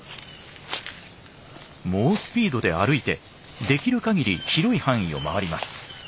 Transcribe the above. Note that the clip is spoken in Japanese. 猛スピードで歩いてできる限り広い範囲を回ります。